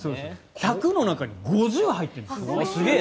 １００の中に５０入ってるんです。